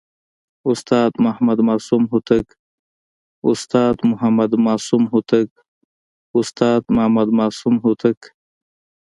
استاد محمد معصوم هوتک